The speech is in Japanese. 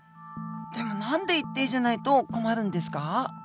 でも何で一定じゃないと困るんですか？